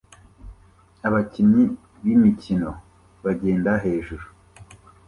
Abakinnyi b'imikino bagenda hejuru